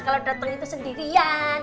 kalau datang itu sendirian